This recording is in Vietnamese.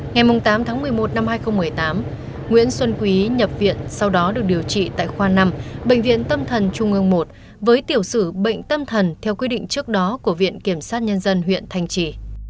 ngày tám tháng một mươi một năm hai nghìn một mươi tám nguyễn xuân quý nhập viện sau đó được điều trị tại khoa năm bệnh viện tâm thần trung ương một với tiểu sử bệnh tâm thần theo quyết định trước đó của viện kiểm sát nhân dân huyện thanh trì